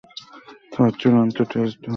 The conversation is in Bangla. তবে চূড়ান্ত টেস্ট দলে তাকে আর রাখা হয়নি।